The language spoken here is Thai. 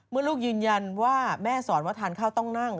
ลูกยืนยันว่าแม่สอนว่าทานข้าวต้องนั่ง